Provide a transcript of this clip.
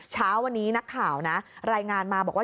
เช้าวันนี้นักข่าวนะรายงานมาบอกว่า